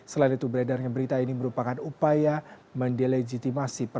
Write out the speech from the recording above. selain itu beredarnya berita ini merupakan upaya mendelegitimasi